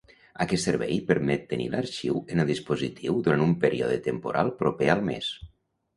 Aquest servei permet tenir l'arxiu en el dispositiu durant un període temporal proper al mes.